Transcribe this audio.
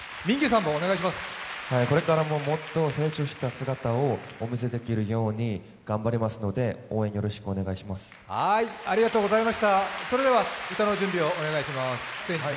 これからももっと成長した姿をお見せできるように頑張りますので応援よろしくお願いします。